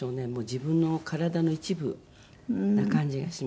自分の体の一部な感じがします。